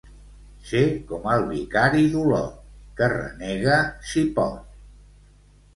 Ser com el vicari d'Olot, que renega si pot.